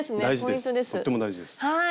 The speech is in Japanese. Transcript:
とっても大事です。